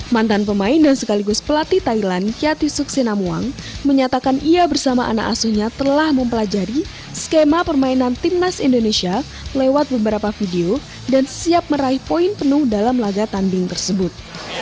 mantan pemain dan sekaligus pelatih thailand kiatisuk sinamuang menyatakan ia bersama anak asuhnya telah mempelajari skema permainan timnas indonesia lewat beberapa video dan siap meraih poin penuh dalam laga tanding tersebut